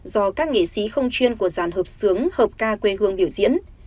do các nghệ sĩ không chuyên của giàn hợp sướng hợp ca quê hương biểu diễn